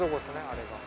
あれが。